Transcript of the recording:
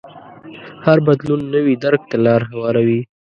هر بدلون نوي درک ته لار هواروي.